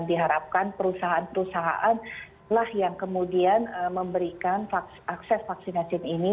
diharapkan perusahaan perusahaan lah yang kemudian memberikan akses vaksinasi ini